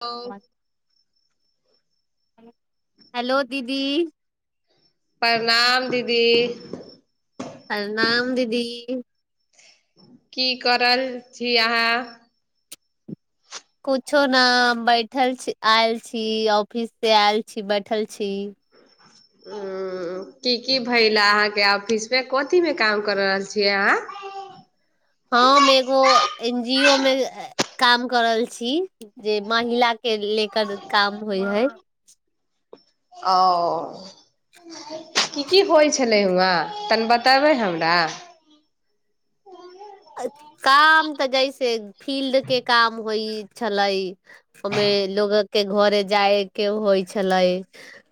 आ [inaudible] हेलो दीदी प्रणाम दीदी प्रणाम दीदी की करहल छी अहाँ कुछो ने बैठल छी आयल छी ऑफिस से आयल छी बैठल छी हूँ की की भेल अहाँके ऑफिस मे कथी मे काम कर रहल छियै अहाँ हम एगो एन जी ओ मे काम कर रहल छी जे महिला के लेकर काम होइ हइ ओ कि की होइ छलै हुआं तनी बतेबै हमरा अ, काम तऽ जैसे फील्ड के काम होइ छलै ओहिमे लोग के घरे जाय के होइ छलै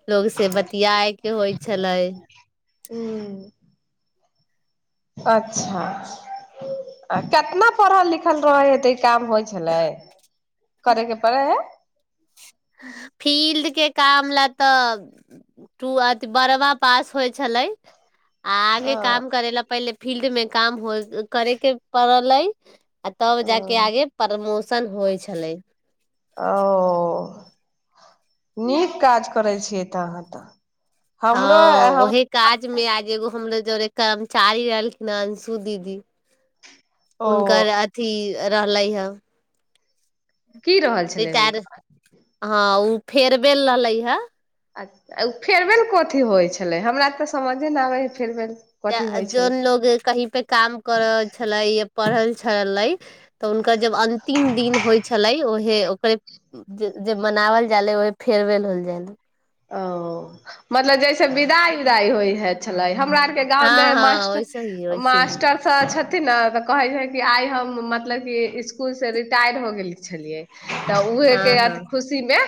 लोग से बतिया के होइ छलै हूँ अच्छा केतना पढ़ल लिखल रहै होतै काम होइ छलै करै के परै हइ फील्ड के काम ल तऽट टू आ त बरमा पास होइ छलै आ आगे काम करै ला पहिले फील्ड में काम हो करै के पड़लै आ तब ओ जााक आगे परमोश सन होइ छलै ओ नीक काज करै छियै तऽ अहाँ तऽ हमरो हँ हम ओही काज मे आज एगो हमलोग जरे कम चाली रहलखिन हन अंशु दीदी ओ हुनकर अथी रहलै हें की रहल छलै रिटायर हुनकर हँ उ फेरबेल रहले हइ अच्छा उ फेरबेल कथि अथी होइ छलै हमरा तऽ समझ दिन आबै हइ फेरवेल ज जोन लोग कहीं पे काम क रहल छलै पढ़ल छलै तऽ हुनका जब अंतिम दिन होइ छलै ओ ओकरे जे मनावल जाले ओहे फेरवेल होल जा ओ मतलब जैसे विदाइ विदाई होइ हइ छले हमरा आर के गाँव में हँ हँ मासट वैसे ही वैसे ही मास्टर सब छथिन ने तऽ कहै छै कि आइ हम मतलब कि इसकुलसँ रिटायर हो गेल छलियै तऽ उहके हँ अथि हँ खुशीमे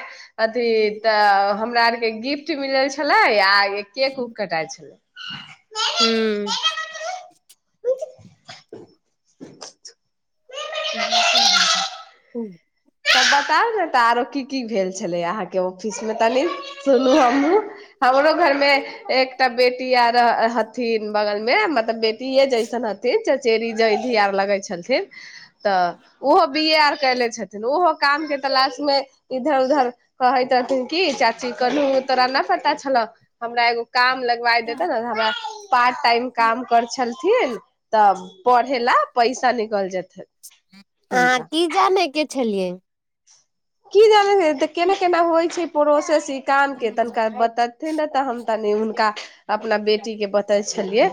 अथी तऽ हमरा आर के गिफ्ट मिलल छलै आइ केक उक कटाइ छलै ह [inaudible] हूँ [inaudible] हूँ त बताउ ने तऽ आरो की की भेल छलै अहाँके ऑफिस मे तनी सुनू हमहुँ हमरो घर मे एकटा बेटी आर हथिन बगलमे मतलब बेटीे जैसन हथिन चचेरी जधी आर लगै छलथिन तऽ ओहो बी ए आर कले छथिन ओहो काम के तलाश मे इधर उधर कहैत रहथिन की चाची कनहूँ तोरा ने पता छलअ हमरा एगो काम लगवा देताे ने हमरा पार्ट टाइम काम करै छल थिन तब पढ़े ला पैसा निकल जेतै अहाँ हुनका की जाने के छै छलियै की जानै त केना केनाा होइ छै प्रोसेस काम के तनिका तऽ बतेथिन ने तऽ हम तनि हुनका अपना बेटी के बतै छलियै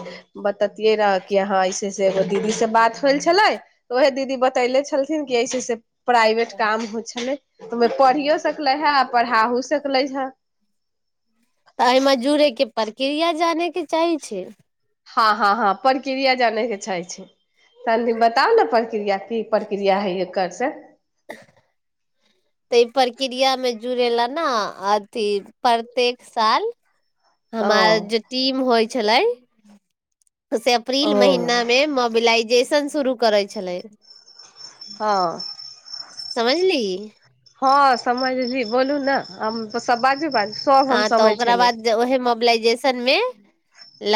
बततियै रहा कि हाँ ऐसे से एगो दीदी से बात होल छलै उएहे दीदी बतैले छलथिन कि ऐसे ऐसे प्राइवेट काम हो छलै पढ़ियो सकले हइ आ पढ़ाओ सकले हइ तऽ एहिमे जुड़ैके प्रक्रिया जानैके चाही छी हँ हँ हँ प्रक्रिया जानैके छी तनि बताउ ने प्रक्रिया की प्रक्रिया हइ एकर से [inaudible] ता ई प्रक्रियामे जुड़ै ला ने अथी प्रत्येक साल ओ हमार जे टीम होइ छलै उ से अप्रैल ओ महिनामे मोबिलाइजेशन शुरू करै छलै हँ समझली हँ समझली बोलू ने सब बाजू बाजू सब आ हम तऽ समझ ओकरा छलै बाद ओहिमे मोबिलइजेशन मे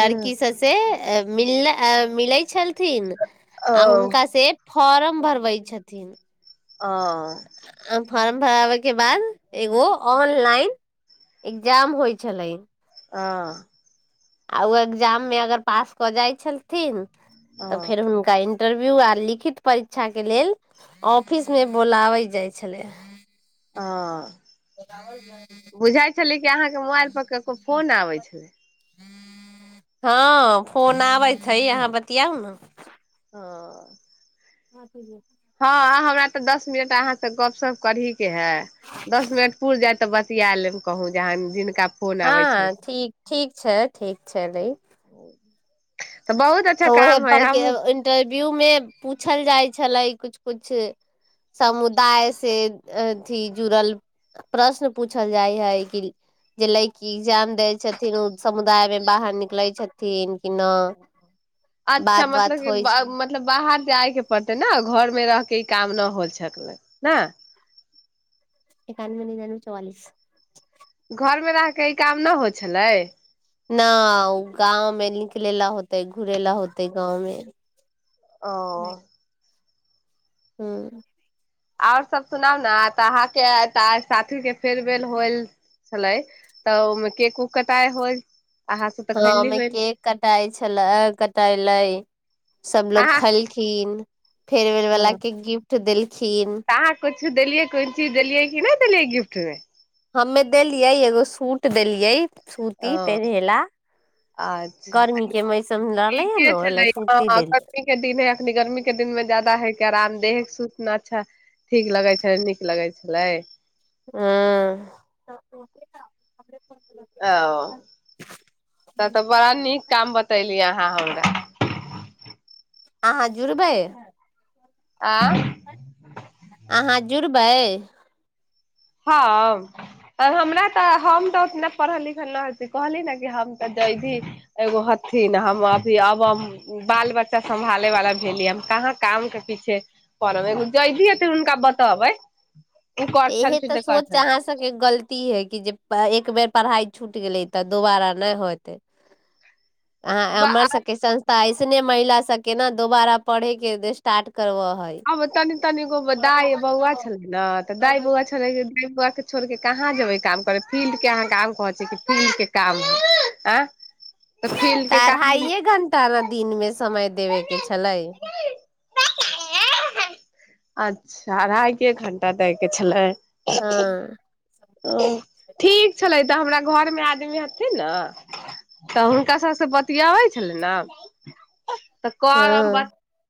हूँ सब से मिल ला मिलै छलथिन ओ आ हुनका से फॉर्म भरबै छथिन हँ आ फॉर्म भराबे के बाद एगो ऑनलाइन एकग्जाम होइ छलै हँ आ ओ एकग्जाम मे अगर पास कऽ जाइत छलथिन ओ तऽ फेर हुनका इंटरव्यू आर लिखित परीक्षा के लेल ऑफिस मे बोलाबे जाय छलै ओ बुझाइ छलै अहाँ के मोबाइल पर केकरो फोन आबे छलै हँ फोन आबैत हइ अहाँ बतियाउ ने हँ हँ ठीके [inaudible] हँ हमरा त दस मिनट अहाँ से गप सप करही के है दस मिनट पुर जाय तऽ बतिया लेम कहूँ जहाँ जिनका फोन आबै हँ छलखिन ठीक ठीक छै ठीक छै बय [unintelligible] अच्छा तऽ ओहे काम हइ पर के हमहूँ इंटरव्यू मे पूछल जाय छलै कुछ कुछ समुदाय से अथी जुड़ल प्रश्न पूछल जाइ हइ कि जे लड़की एग्जाम देय छथिन ओ समुदाय मे बाहर निकले छथिन की नै अच्छा मतलब की मतलब बाहर जायके पड़तै ने घर मे रहके ई काम न होल सकलै ने एकानबे नीनाबे चौआलिस अहाँके ई काम न होइ छलै न ओ गाँव मे निकल ला होतै घुरे ला होतै गाँव मे ओ हूँ आओर सब सुनाउ ने तऽ अहाँके साथी के फेयरवेल होल छलै तऽ ओहिमे केक उक कटाइ होइ हँ ओमे केक कटाइ छल कटाले आओर कटाइले सभलोग अहाँ खेलखिन फेयरवेल वला हँ के गिफ्ट देलखिन कि देलियै कोन चीज देलियै कि नहि देलियै गिफ्ट मे हमे देलियै एगो सूट देलियै ओ सूती पेन्हे ला अच्छा गर्मी के मौसम रहले ह ने ठीके ओहि लए छलै सुती देली गर्मी के दिन हइ अखन गर्मी के दिन मे ज़्यदा हे आरामदेह सुतना अच्छा ठीक लगै छलै नीक लगै छलै हँ ओ त तऽ बड़ा नीक काम बतैली अहाँ हमरा अहाँ जुरबै आँ अहाँ जुड़बै हम हमरा तऽ हम तऽ उतना पढ़ल लिखल न हथि कहली ने कि हम तऽ जैधी भी एगो हथिन हम अभी अब हम बाल बच्चा सम्भाले वाला भेलिय हम कहाँ काम के पीछे पड़बै एगो जयधी हथिन हुनका बतेबै कर इहे छलथिन तऽ कर सोच छल अहाँ सबके गलती है कि जे एक बेर पढ़ाइ छुट गेलै तऽ दुोबारा नहि होते अहाँ हमर सबके संस तऽ ऐसने महिला सब के ने दोबारा पढ़े के स्टार्ट करबह आब तनि तनिगो दाइ बौआ छलै ने तऽ दाइ बौआ छलै दाइ बौआ के छोड़ क कहाँ जेबै काम करै फील्ड के अहाँ काम कहै छियै कि फील्ड के काम हइ आं तऽ अढ़ाइए घण्टा ने दिनमे समय देबे के छलै अच्छा अढ़ाए के घंटा दै के छलै हँ ओ ठीक छलै तऽ हमरा घरमे आदमी हथिन ने तऽ हुनका सभस बतियाबै छलै न तऽ करब हँ बत